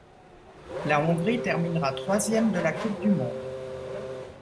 La Hongrie terminera troisième de la Coupe du monde.